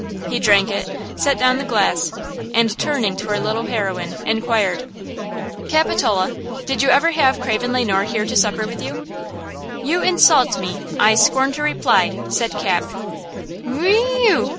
He drank it, set down the glass, and turning to our little heroine, inquired: "Capitola did you ever have Craven Le Noir here to supper with you?" "You insult me! I scorn to reply!" said Cap. "Whe ew!